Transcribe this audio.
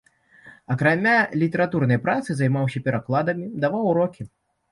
Акрамя літаратурнай працы займаўся перакладамі, даваў урокі.